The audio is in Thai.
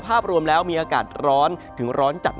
ภาพรวมแล้วมีอากาศร้อนถึงร้อนจัด